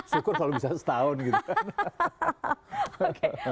syukur kalau bisa setahun gitu kan